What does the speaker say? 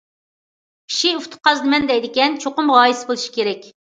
كىشى ئۇتۇق قازىنىمەن دەيدىكەن، چوقۇم غايىسى بولۇشى كېرەك.